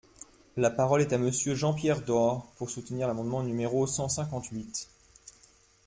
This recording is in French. La parole est à Monsieur Jean-Pierre Door, pour soutenir l’amendement numéro cent cinquante-huit.